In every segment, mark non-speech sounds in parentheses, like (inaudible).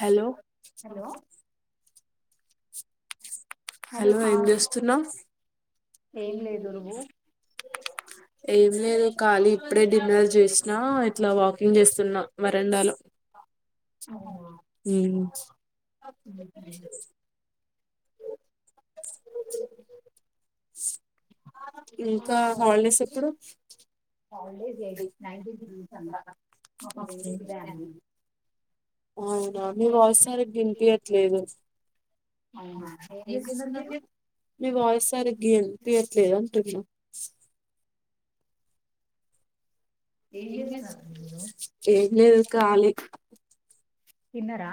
Hello hello hello ఏం జెస్తున్నావ్ ఏం లేదూ నువ్వు ఏం లేదూ ఖాలీ ఇప్పుడే డిన్నర్ చేసినా ఇట్లా వాకింగ్ చేస్తున్నా మర్ ఎండలా అవునా హు ఇంకా హాలిడేస్ ఇంకా హాలీడేస్ ఎప్పుడు హాలీడేస్ ఎయిట్ నైటీన్త్ జూన్ నుంచి అంటా మా ఫ్రెండ్ ఇప్పుడే అనింది అవునా మీ వాయిస్ సారిగా వినిపియ ట్లేదు అవునా ఏం చేస్తున్నరు మీరూ మీ వాయిస్ సరిగ్ వినిపియట్లేదు అంటున్నా ఏం చేస్తున్నారు మీరు ఏం లేదు కాలీ తిన్నారా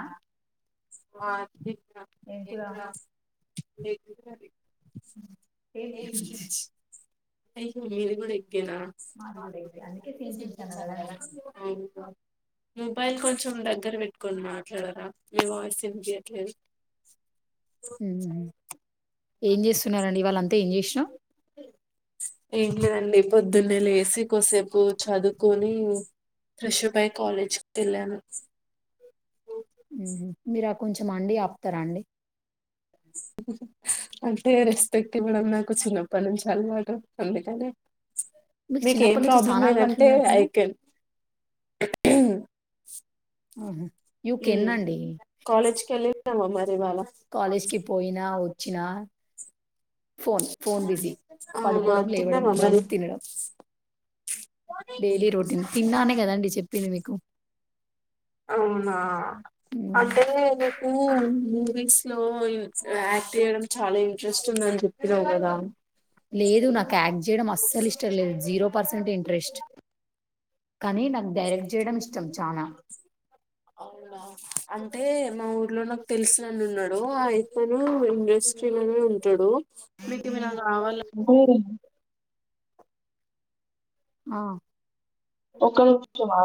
ఏం కూర సేమ్ పించ్ మీది కూడా ఎగ్గేనా మాది కూడా ఎగ్గే అందుకే సేమ్ పించ్ అన్న కదా అవునా. మొబైల్ కొంచం దగ్గర పెట్టుకునీ మాట్ ఇక్కడ రా మీ వాయిస్ వినిపియట్లేదు ఏం లేదు ఏం చేస్తున్నారండి ఈవాళ్ళంతా ఏం చేస్నావ్ ఏం చేయ్నండి పొద్దున్నె లేసి కొసేపు చదువ్కొని త్రిషుదై కాలేజ్క్ కెళ్ళాను హ్మ్ మీర అప్ కొంచెం అండి ఆప్తరం డి అంటే రెస్పెక్టివ్ (unintelligible) నాకు చిన్నప్పటి నుంచి అలవాటు అందుకనే మీకు మీకేం చిన్నప్పటి నుంచి ప్రాబ్లం చాలా అలవాట్లు లేందంటే ఐ ఉన్నట్టున్నాయి కేన్ ఆహ హ్మ్ కాలేజ్కి వెల్లినావ మరి ఇవాళ కాలేజ్కి పోయినా వచ్చినా ఫోన్ ఫోన్ బిజీ ఆహా పడుకోవడం లేవడం తిన్నావా ఫోన్ మరి తినడం డైలీ రొటీన్ తిన్నానే కదండి చెప్పింది మీకు అవునా ఉమ్, అంటే నీకు మూవీస్ యాక్ట్ చేయడం చాలా ఇంట్రెస్ట్ ఉందని చెప్పినావు కదా లేదు నాకు యాక్ట్ చేయడం అస్సలు ఇష్టం లేదు జీరో పర్సెంట్ ఇంట్రెస్ట్ కానీ నా డైరక్ట్ చేయడం ఇష్టం చానా అవునా అంటే మా ఊర్లో నాకు తెలిసినన్న ఉన్నాడు ఆయప్పడు ఇండస్ట్రీలోనే ఉంటాడు మీకు ఏవన్నా రావాలంటే ఆ ఒక్కడే ముఖ్యమా